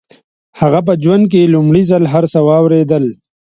هغه په ژوند کې لومړي ځل هر څه واورېدل.